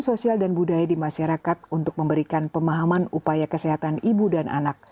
sosial dan budaya di masyarakat untuk memberikan pemahaman upaya kesehatan ibu dan anak